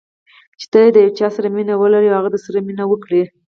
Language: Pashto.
چې ته د یو چا سره مینه ولرې او هغه هم درسره مینه وکړي.